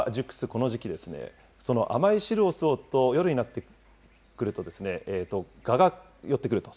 この時期、その甘い汁を吸おうと夜になってくると、がが寄ってくると。